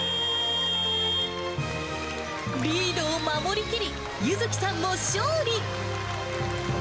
リードを守りきり、優月さんも勝利。